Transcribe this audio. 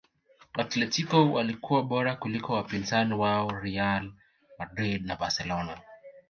atletico walikuwa bora kuliko wapinzani wao real madrid na barcelona